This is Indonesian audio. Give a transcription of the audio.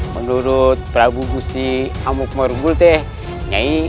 menurut prabu gusti amuk marugul nyai